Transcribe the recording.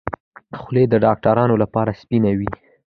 خولۍ د ډاکترانو لپاره سپینه وي.